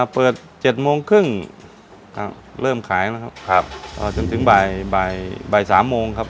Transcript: เปิดเจ็ดโมงครึ่งเริ่มขายแล้วครับครับจนถึงบ่ายสามโมงครับ